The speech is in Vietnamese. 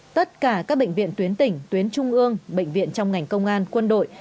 tất cả các bệnh viện tuyến tỉnh tuyến trung ương bệnh viện trong ngành công an quân đội